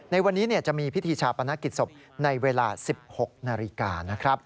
ในวันนี้จะมีพิธีชาปนกิจศพในเวลา๑๖นาฬิกานะครับ